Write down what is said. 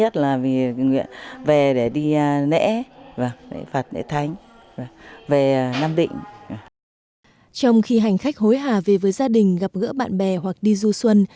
trong khi hành khách hối hà về với gia đình gặp gỡ bạn bè hoặc đi du xuân